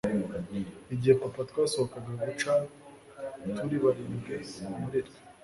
Igihe papa twasohokaga guca turi barindwi muri twe.